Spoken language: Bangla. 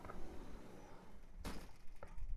যা গাড়ি নিয়ে আয়।